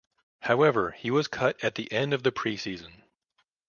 However he was cut at the end of the preseason.